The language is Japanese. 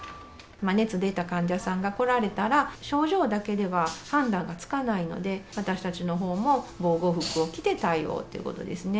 熱出た患者さんが来られたら、症状だけでは判断がつかないので、私たちのほうも防護服を着て対応っていうことですね。